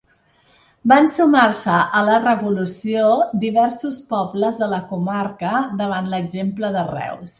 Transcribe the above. Van sumar-se a la revolució diversos pobles de la comarca davant l'exemple de Reus.